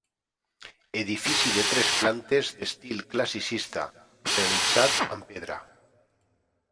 Edifici de tres plantes d'estil classicista, realitzat amb pedra.